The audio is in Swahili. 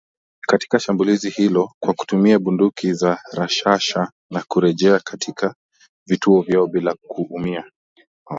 katika shambulizi hilo kwa kutumia bunduki za rashasha na kurejea katika vituo vyao bila kuumia